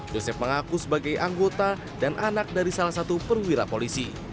josep mengaku sebagai anggota dan anak dari salah satu perwira polisi